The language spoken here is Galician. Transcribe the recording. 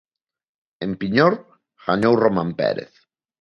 En Piñor gañou Román Pérez.